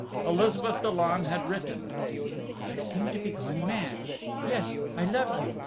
Elizabeth Dollon had written: "I seem to be going mad ... yes, I love you!...